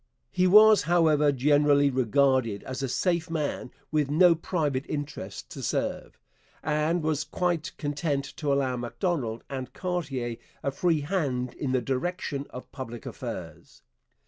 He was, however, generally regarded as a safe man with no private interests to serve, and he was quite content to allow Macdonald and Cartier a free hand in the direction of public affairs.